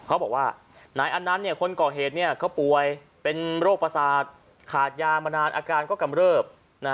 เขาบอกว่านายอันนั้นคนก่อเหตุเขาป่วยเป็นโรคประสาทขาดยามานานอาการก็กำเริบ